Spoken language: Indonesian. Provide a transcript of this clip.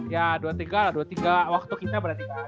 ya dua puluh tiga lah dua puluh tiga waktu kita berarti